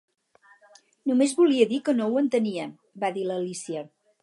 "Només volia dir que no ho entenia", va dir l'Alícia.